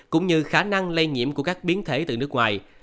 cũng như khả năng lây nhiễm của các biến thể từ nước ngoài